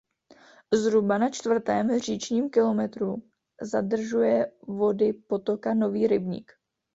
Zhruba na čtvrtém říčním kilometru zadržuje vody potoka "Nový rybník".